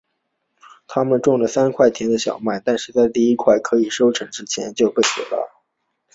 他们种植了三块田的小麦但是在第一块可以收成之前它就被毁了。